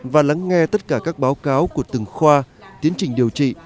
và lắng nghe tất cả các báo cáo của từng khoa tiến trình điều trị